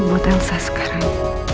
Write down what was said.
buat elsa sekarang